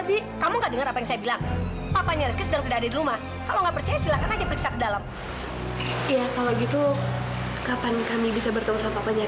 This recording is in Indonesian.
sampai jumpa di video selanjutnya